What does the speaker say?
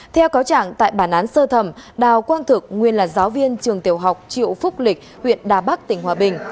theo cáo trạng tại bản án sơ thẩm đào quang thực nguyên là giáo viên trường tiểu học triệu phúc lịch huyện đà bắc tỉnh hòa bình